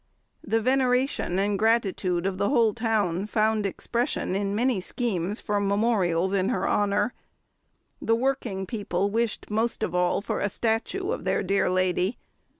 The veneration and gratitude of the whole town found expression in many schemes for memorials in her honour. The working people wished most of all for a statue of their dear lady.